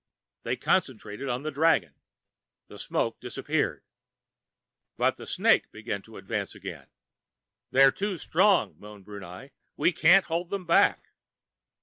They concentrated on the dragon. The smoke disappeared. But the snake began to advance again. "They're too strong!" moaned Brunei. "We can't hold them back."